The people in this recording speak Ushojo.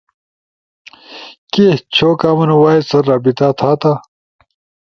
کی چھو کامن وائس ست رابطہ تھاتا؟